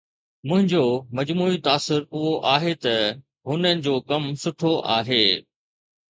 منهنجو مجموعي تاثر اهو آهي ته هن جو ڪم سٺو آهي